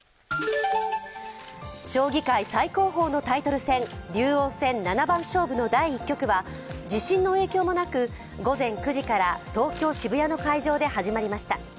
将棋界最高峰のタイトル戦、竜王戦七番勝負の第１局は、地震の影響もなく午前９時から東京・渋谷の会場で始まりました。